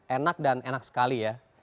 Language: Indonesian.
enak dan enak sekali ya